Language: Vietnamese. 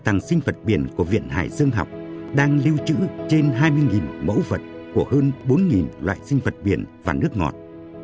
hải quỷ đang lưu trữ trên hai mươi mẫu vật của hơn bốn loại sinh vật biển và nước ngọt